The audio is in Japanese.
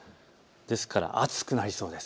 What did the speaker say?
ですから暑くなりそうです。